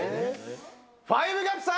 ５ＧＡＰさん。